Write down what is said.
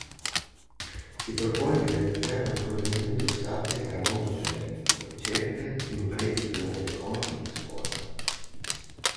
Si propone di realizzare un collegamento stabile tra mondo accademico, ricerca, imprese della net-economy e scuola.